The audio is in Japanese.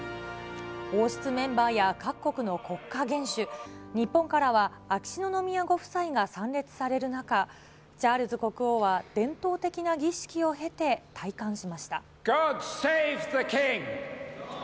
王室メンバーや各国の国家元首、日本からは秋篠宮ご夫妻が参列される中、チャールズ国王は、伝統的な儀式を経て、戴冠しました。